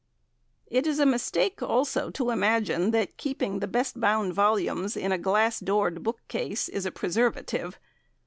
It is a mistake also to imagine that keeping the best bound volumes in a glass doored book case is a preservative.